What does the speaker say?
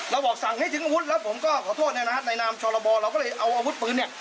เราบอกสั่งให้ถึงอาวุธแล้วผมก็ขอโทษเนี่ยนะฮะในนามชรบเราก็เลยเอาอาวุธปืนเนี่ย